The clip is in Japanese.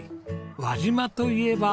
輪島といえば。